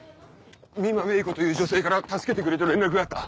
美馬芽衣子という女性から助けてくれと連絡があった。